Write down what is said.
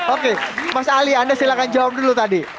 oke mas ali anda silakan jawab dulu tadi